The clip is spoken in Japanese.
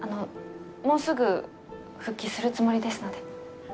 もうすぐ復帰するつもりですので。